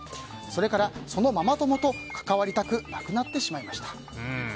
それから、そのママ友と関わりたくなくなってしまいました。